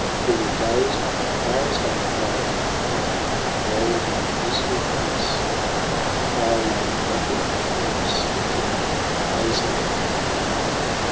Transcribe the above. Were we days long or hours long in riding, when rolled in a grisly peace, An isle lay level before us, with dripping hazel and oak